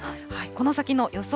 この先の予想